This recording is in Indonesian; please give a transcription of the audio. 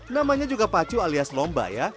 namanya juga pacu alias lomba ya